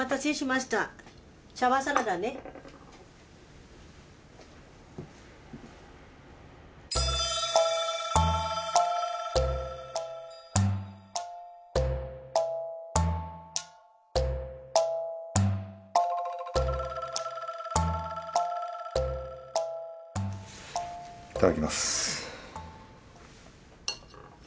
いただきます。